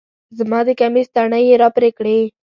زما د کميس تڼۍ يې راپرې کړې